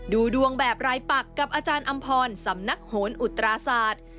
ดูดวงแบบรายปักกับอาจารย์อำพรสำนักโหนอุตราศาสตร์